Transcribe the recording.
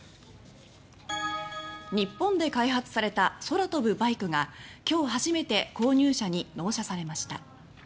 日本で開発された「空飛ぶバイク」が今日初めて購入者に納車されました。